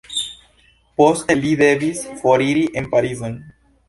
Poste li devis foriri en Parizon.